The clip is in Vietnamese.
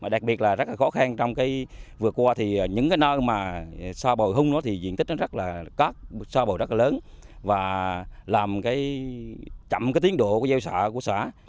đặc biệt là rất khó khăn trong vừa qua thì những nơi mà cát bồi hung thì diện tích rất là lớn và làm chậm tiến độ của dây xạ của xã